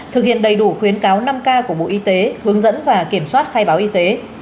thực hiện đầy đủ khuyến cáo năm k của bộ y tế hướng dẫn và kiểm soát khai báo y tế